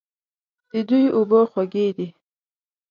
د دوی اوبه خوږې دي.